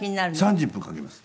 ３０分書きます。